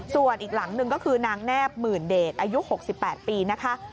ส่วนอีกหลังหนึ่งก็คือนางแนบหมื่นเดชอายุ๖๘ปีนะคะ